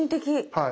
はい。